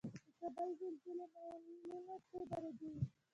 د کابل زلزلې معمولا څو درجې وي؟